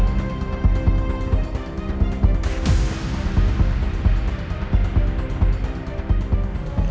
tidak ada hubungan apa apa sama riki